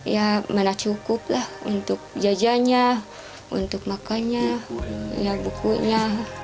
ya mana cukup lah untuk jajanya untuk makannya ya bukunya